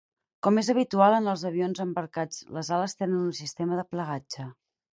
Com és habitual en els avions embarcats les ales tenen un sistema de plegatge.